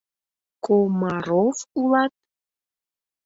— Ко-ма-ров улат!